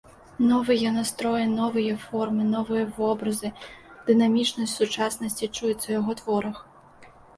Новыя настроі, новыя формы, новыя вобразы, дынамічнасць сучаснасці чуецца ў яго творах.